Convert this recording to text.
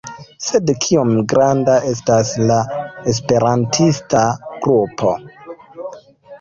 Sed kiom granda estas la esperantista grupo?